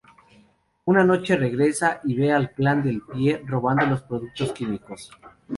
Una noche regresa y ve al Clan del Pie robando los productos químicos.